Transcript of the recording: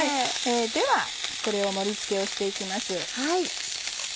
ではこれを盛り付けをして行きます。